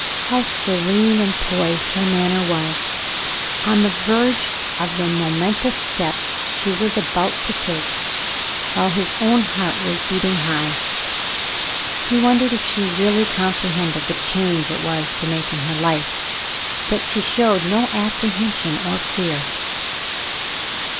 How serene and poised her manner was, on the verge of the momentous step she was about to take, while his own heart was beat ing high. He wondered if she really comprehended the change it was to make in her life, that she showed no appre hension or fear.